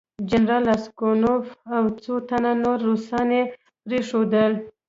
جنرال راسګونوف او څو تنه نور روسان یې پرېښودل.